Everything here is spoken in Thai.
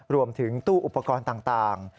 รวมถึงตู้อุปกรณ์ต่าง